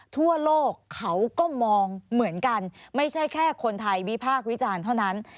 ทั่วโลกเขาก็มองเหมือนกันไม่ใช่แค่คนไทยวิพากษ์วิจารณ์เท่านั้น